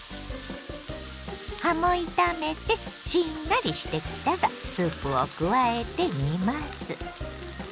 葉も炒めてしんなりしてきたらスープを加えて煮ます。